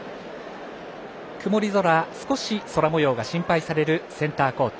曇り空、少し空もようが心配されるセンターコート。